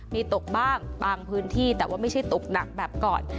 มีตกบ้างบางพื้นที่แต่ว่าไม่ใช่ตกหนักแบบก่อน